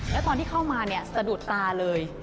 แล้วตอนที่เข้ามาเนี่ยสะดุดตาเลย